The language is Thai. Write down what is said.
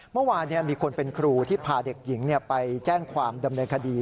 เมื่อวานมีคนเป็นครูที่พาเด็กหญิงไปแจ้งความดำเนินคดี